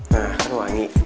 nah kan wangi